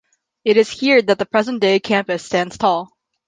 It is here that the present day campus stands tall.